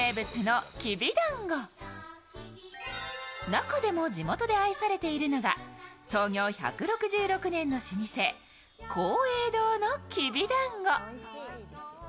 中でも地元で愛されているのが創業１６６年の老舗・廣榮堂のきびだんご。